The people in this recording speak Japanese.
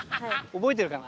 覚えてるかな？